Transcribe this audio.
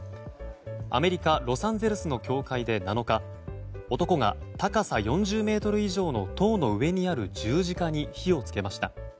アメリカ・ロサンゼルスの教会で７日男が、高さ４０ｍ以上の塔の頂上にある十字架に火をつけました。